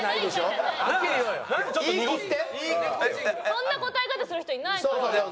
そんな答え方する人いないから。